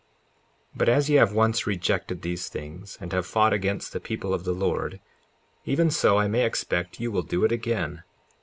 54:8 But as ye have once rejected these things, and have fought against the people of the Lord, even so I may expect you will do it again.